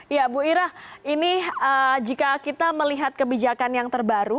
ya bu ira ini jika kita melihat kebijakan yang terbaru